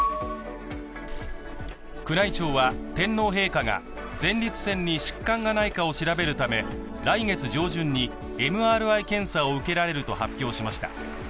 宮内庁は天皇陛下が前立腺に疾患がないかを調べるため来月上旬にＭＲＩ検査を受けられると発表しました。